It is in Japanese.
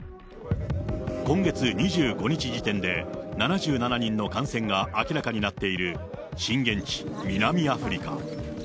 今月２５日時点で、７７人の感染が明らかになっている震源地、南アフリカ。